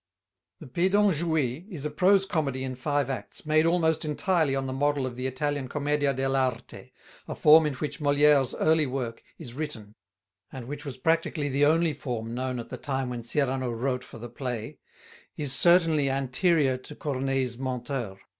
The Pédant joué is a prose comedy in five acts, made almost entirely on the model of the Italian "commedia dell' arte," a form in which Molière's early work is written, and which was practically the only form known at the time when Cyrano wrote for the play is certainly anterior to Corneille's Menteur.